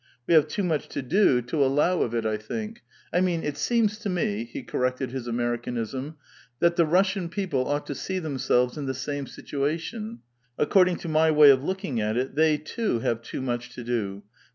We have too much to do to allow of 426 A VITAL QUESTION. it, I tbiuk ; I mean, it seems to me " (he corrected hi& Amer icanism) ^^ that the Russian people ought to see themselves in the same situation : according to my way of looking at it, they too have too much to do; but